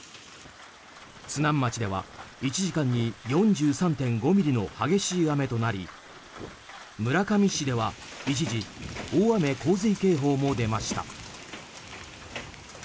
津南町では１時間に４３．５ミリの激しい雨となり村上市では一時大雨・洪水警報も出ました。